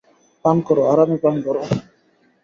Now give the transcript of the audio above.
পান করো, আরামে পান করো।